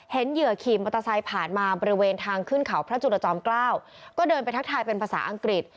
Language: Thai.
เหยื่อขี่มอเตอร์ไซค์ผ่านมาบริเวณทางขึ้นเขาพระจุรจอมเกล้าก็เดินไปทักทายเป็นภาษาอังกฤษ